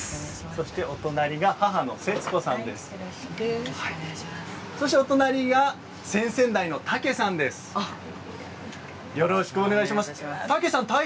そしてお隣が、母の節子さんです。